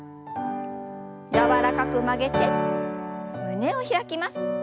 柔らかく曲げて胸を開きます。